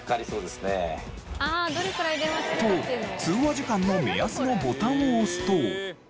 と通話時間の目安のボタンを押すと。